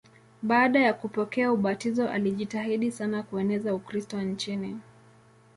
Baada ya kupokea ubatizo alijitahidi sana kueneza Ukristo nchini.